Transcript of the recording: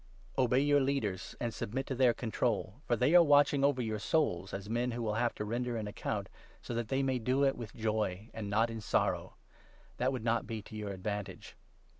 Obey your Leaders, and submit to their control, for they are i^ watching over your souls, as men who will have to render an account, so that they may do it with joy, and not in sorrow. That would not be to your advantage.